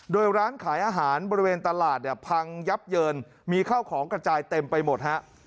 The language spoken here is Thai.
โดยร้านขายอาหารบริเวณตลาดเนี่ยพังยับเยินมีข้าวของกระจายเต็มไปหมดฮะ